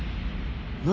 何？